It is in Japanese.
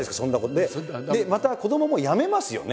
でまた子どももやめますよね